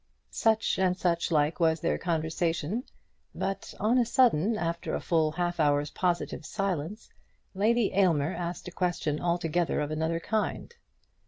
Such and such like was their conversation; but on a sudden, after a full half hour's positive silence, Lady Aylmer asked a question altogether of another kind.